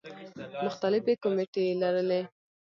مختلفې کومیټې یې لرلې.